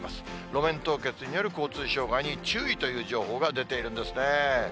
路面凍結による交通障害に注意という情報が出ているんですね。